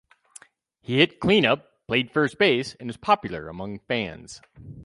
He hit cleanup, played first base and was popular among fans.